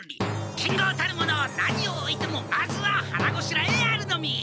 剣豪たるもの何をおいてもまずははらごしらえあるのみ！